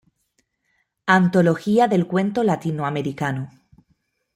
Antología del Cuento Latinoamericano.